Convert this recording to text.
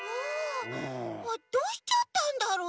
あどうしちゃったんだろう？